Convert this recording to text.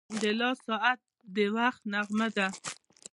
• د لاس ساعت د وخت نغمه ده.